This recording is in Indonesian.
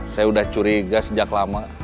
saya sudah curiga sejak lama